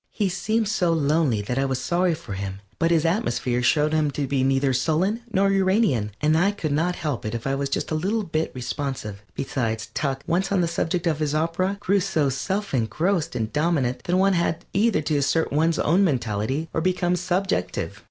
He seemed so lonely that I was sorry for him, but his atmosphere showed him to be neither sullen nor Uranian, and I could not help it if I was just a little bit responsive. Besides, Tuck, once on the subject of his opera, grew so self engrossed and dominant that one had either to assert one's own mentality or become subjective.